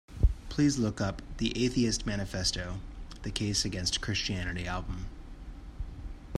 Please look up the Atheist Manifesto: The Case Against Christianity album.